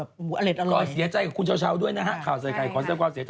ดูสิพ่อพี่เช้าอย่างเงี้ย